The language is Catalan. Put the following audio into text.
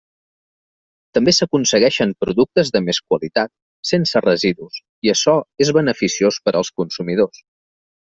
També s'aconseguixen productes de més qualitat, sense residus, i açò és beneficiós per als consumidors.